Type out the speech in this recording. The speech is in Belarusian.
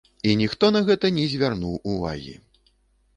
І ніхто на гэта не звярнуў увагі!